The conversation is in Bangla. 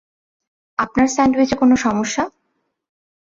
আপনার স্যান্ডউইচে কোনো সমস্যা?